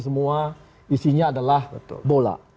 semua isinya adalah bola